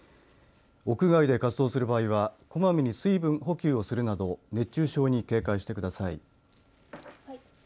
屋外で活動する場合はこまめに水分補給をするなど熱中症に警戒してください。